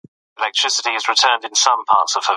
هغه تبر چې ما تاته درکړی و، لا هم تېره دی؟